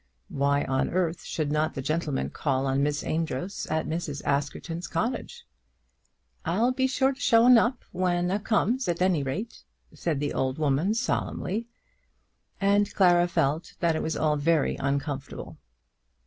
Why on earth should not the gentleman call on Miss Amedroz at Mrs. Askerton's cottage. "I'll be sure to show 'un up, when a comes, at any rate," said the old woman solemnly; and Clara felt that it was all very uncomfortable.